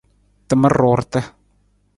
Tamar ruurta.